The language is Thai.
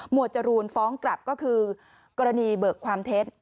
จรูนฟ้องกลับก็คือกรณีเบิกความเท็จ